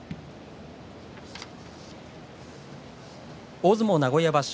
大相撲名古屋場所